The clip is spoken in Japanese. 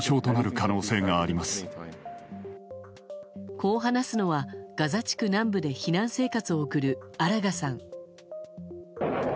こう話すのは、ガザ地区南部で避難生活を送るアラガさん。